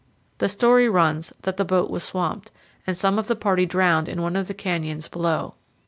The story runs that the boat was swamped, and some of the party drowned in one of the canyons below.